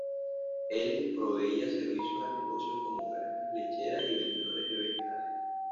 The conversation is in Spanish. Él proveía servicios a negocios como granjas lecheras y vendedores de vegetales.